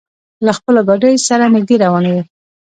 له خپلو ګاډیو سره نږدې روانې وې.